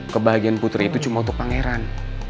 kebahagiaan putri itu cuma untuk pangeran